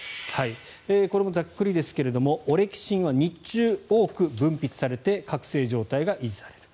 これもざっくりですがオレキシンは日中多く分泌されて覚醒状態が維持される。